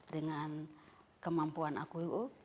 dengan kemampuan aku